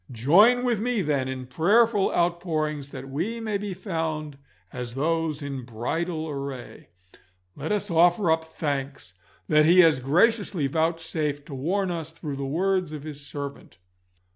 Join with me, then, in prayerful outpourings that we may be found as those in bridal array. Let us offer up thanks that He has graciously vouchsafed to warn us through the words of His servant.